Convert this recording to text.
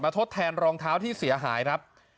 ทดแทนรองเท้าที่เสียหายครับ